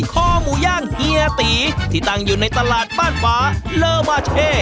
คอหมูย่างเฮียตีที่ตั้งอยู่ในตลาดบ้านฟ้าเลอบาเช่